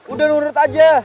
udah nurut aja